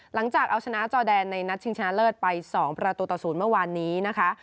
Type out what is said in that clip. หลังจากเอาชนะจอแดนในนัดชิงชนะเลิศไป๒ประตูต่อ๐เมื่อวานนี้นะคะ